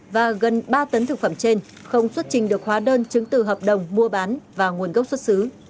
và gần ba tấn thực phẩm trên không xuất trình được hóa đơn chứng từ hợp đồng mua bán và nguồn gốc xuất xứ